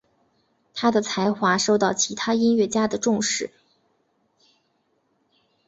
他的才华受到其他音乐家的重视。